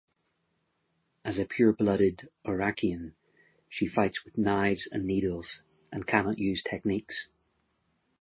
As a pure-blooded Orakian, she fights with knives and needles and cannot use techniques.